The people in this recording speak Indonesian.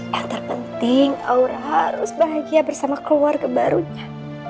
yang terpenting aura harus bahagia bersama keluarga barunya